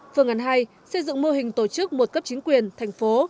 phương án hai xây dựng mô hình tổ chức một cấp chính quyền thành phố